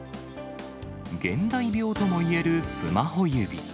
現代病ともいえるスマホ指。